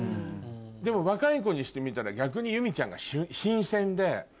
でも若い子にしてみたら逆に祐実ちゃんが新鮮で。